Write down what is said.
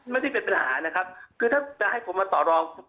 ไม่ได้เป็นปัญหานะครับคือถ้าจะให้ผมมาต่อรอง